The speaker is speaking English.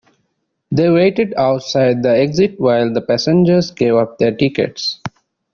They waited outside the exit while the passengers gave up their tickets.